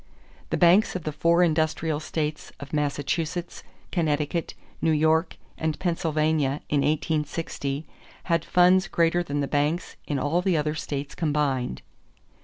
The banks of the four industrial states of Massachusetts, Connecticut, New York, and Pennsylvania in 1860 had funds greater than the banks in all the other states combined.